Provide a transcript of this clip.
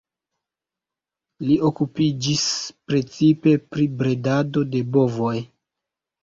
Li okupiĝis precipe pri bredado de bovoj.